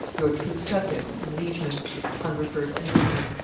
"Your true subjects and liegemen, "HUNGERFORD and WHYTTINGHAM."